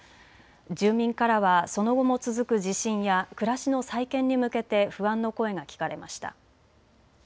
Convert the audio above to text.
住民からはその後も続く地震や暮らしの再建に向けて不安の声が聞かれました。